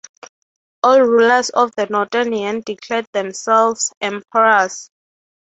All rulers of the Northern Yan declared themselves "emperors".